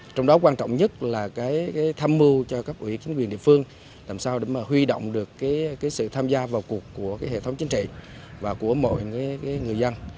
trong đó quan trọng nhất là tham mưu cho các ủy chính quyền địa phương làm sao để huy động được sự tham gia vào cuộc của hệ thống chính trị và của mọi người dân